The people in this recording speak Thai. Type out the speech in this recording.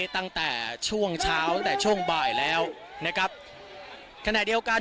ตั้งแต่ช่วงเช้าตั้งแต่ช่วงบ่ายแล้วนะครับขณะเดียวกัน